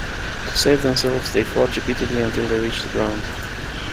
To save themselves, they fart repeatedly until they reach the ground.